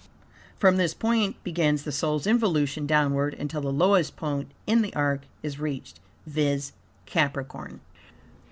From this point begins the soul's involution downward, until the lowest point in the arc is reached, viz., Capricorn.